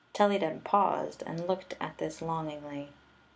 Telly deb paused and looked at this longingly.